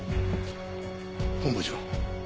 本部長。